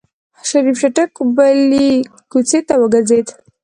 شريف چټک بلې کوڅې ته وګرځېد.